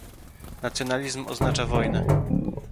"nacjonalizm oznacza wojnę"